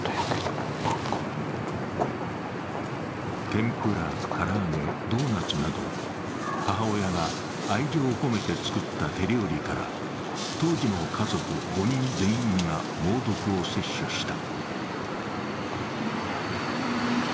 天ぷら、唐揚げ、ドーナツなど母親が愛情込めて作った手料理から当時の家族５人全員が猛毒を摂取した。